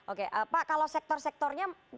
oke pak kalau sektor sektornya